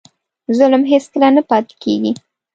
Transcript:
ظلم هېڅکله نه پاتې کېږي.